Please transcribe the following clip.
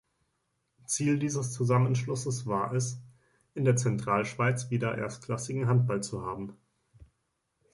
Ziel dieses Zusammenschlusses war es, in der Zentralschweiz wieder erstklassigen Handball zu haben.